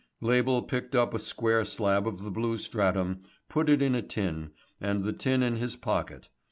Label picked up a square slab of the blue stratum, put it in a tin, and the tin in his pocket.